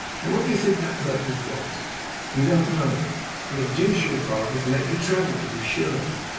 Now what do you think that purpose was? You don't know? To induce your father to let you travel, to be sure.